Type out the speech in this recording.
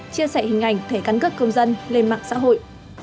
chia sẻ hình ảnh thẻ căn cước công dân lên mạng xã hội